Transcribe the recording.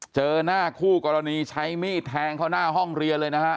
เจอหน้าคู่กรณีใช้มีดแทงเข้าหน้าห้องเรียนเลยนะฮะ